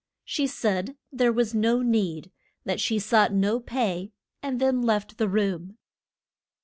She said there was no need, that she sought no pay, and then left the room.